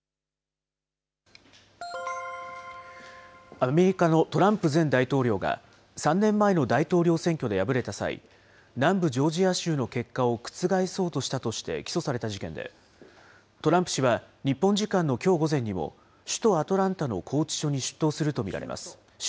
アメリカのトランプ前大統領が３年前の大統領選挙で敗れた際、南部ジョージア州の結果を覆そうとしたとして起訴された事件で、トランプ氏は日本時間のきょう午前にも首都アトランタの拘置所に出頭すると見られます。